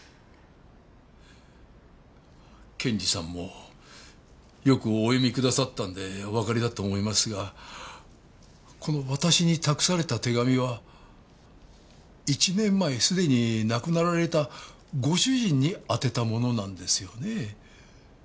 検事さんもよくお読みくださったんでおわかりだと思いますがこの私に託された手紙は１年前すでに亡くなられたご主人に宛てたものなんですよね。